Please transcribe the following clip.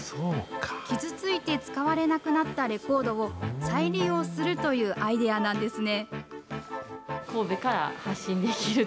傷付いて使われなくなったレコードを、再利用するというアイデアなんですね。